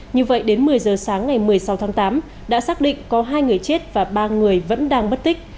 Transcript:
như vậy đến một mươi giờ sáng ngày một mươi sáu tháng tám đã xác định có hai người chết và ba người vẫn đang bất tích